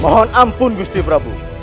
mohon ampun gusti prabu